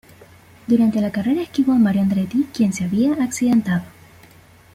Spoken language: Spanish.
Durante la carrera esquivó a Mario Andretti, quien se había accidentado.